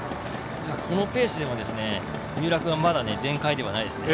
このペースでも三浦君はまだ全開ではないですね。